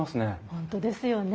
本当ですよね。